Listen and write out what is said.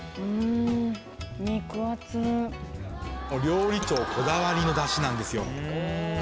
料理長こだわりのダシなんですよ。